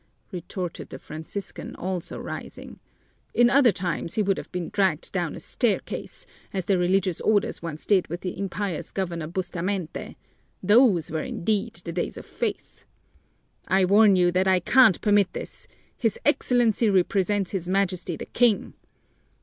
retorted the Franciscan, also rising. "In other times he would have been dragged down a staircase as the religious orders once did with the impious Governor Bustamente. Those were indeed the days of faith." "I warn you that I can't permit this! His Excellency represents his Majesty the King!"